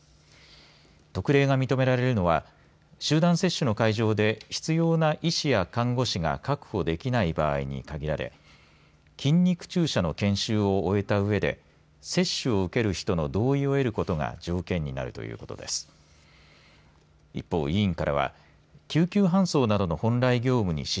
特例が認められるのは集団接種の会場で必要な医師や看護師が確保できない場合に限られ筋肉注射の研修を終えたうえで接種を受ける人の同意を得ることが条件になるということです。